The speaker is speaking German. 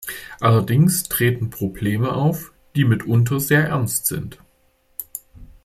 Allerdings treten Probleme auf, die mitunter sehr ernst sind.